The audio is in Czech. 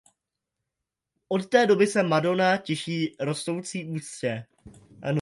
Od té doby se Madona těší rostoucí úctě.